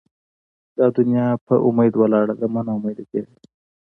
دا دونیا پر اُمید ولاړه ده؛ مه نااميده کېږئ!